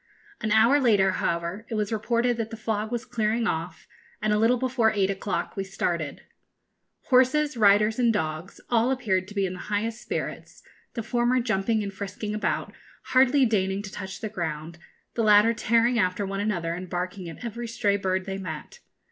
An hour later, however, it was reported that the fog was clearing off, and a little before eight o'clock we started. Horses, riders, and dogs, all appeared to be in the highest spirits, the former jumping and frisking about, hardly deigning to touch the ground, the latter tearing after one another and barking at every stray bird they met.